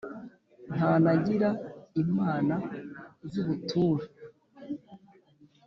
ntanagira imana z'ubuture,